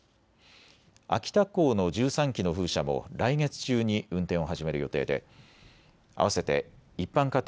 秋田港の１３基の風車も来月中に運転を始める予定で合わせて一般家庭